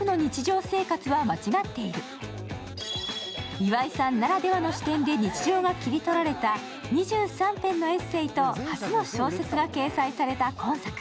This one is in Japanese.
岩井さんならではの視点で日常が切り取られた２３編のエッセーと初の小説が掲載された今作。